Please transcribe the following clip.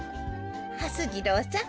はす次郎さん